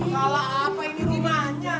salah apa ini rumahnya